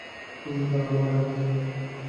তারা ওকেও মেরে ফেলতো।